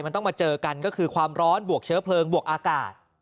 มันต้องมาเจอกันก็คือความร้อนบวกเชื้อเพลิงบวกอากาศ